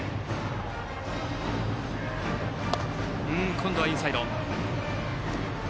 今度はインサイド。